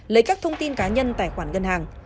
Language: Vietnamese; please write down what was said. lấy các thông tin cá nhân tài khoản ngân hàng